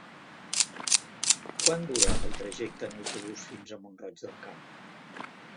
Quant dura el trajecte en autobús fins a Mont-roig del Camp?